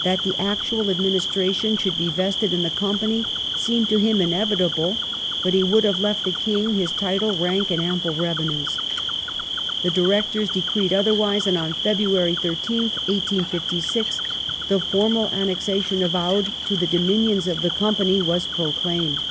That the actual administration should be vested in the Company seemed to him inevitable, but he would have left the King his title, rank, and ample revenues. The Directors decreed otherwise, and on February 13th, 1856, the formal annexation of Oudh to the dominions of the Company was proclaimed.